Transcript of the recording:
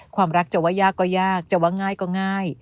ความรักจะว่ายากก็ยากจะว่าง่ายก็ง่าย